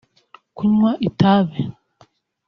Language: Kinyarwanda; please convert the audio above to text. kunywa itabi